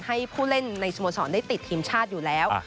ให้ผู้เล่นในสโมสรได้ติดทีมชาติอยู่แล้ว